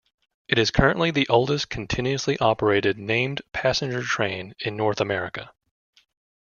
It is currently the oldest continuously operated named passenger train in North America.